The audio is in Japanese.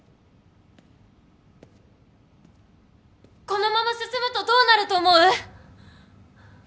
・このまま進むとどうなると思う？